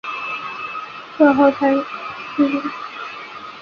最后才给予神父的身分。